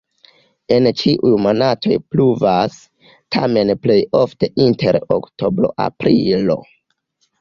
En ĉiuj monatoj pluvas, tamen plej ofte inter oktobro-aprilo.